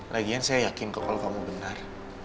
lagian saya yakin kok kalau kamu benar